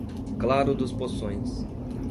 Claro dos Poções